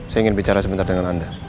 saya ingin bicara sebentar dengan anda